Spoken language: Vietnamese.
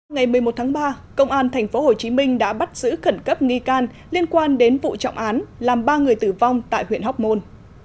ngày một mươi một tháng ba công an tp hcm đã bắt giữ khẩn cấp nghi can liên quan đến vụ trọng án làm ba người tử vong tại huyện hóc môn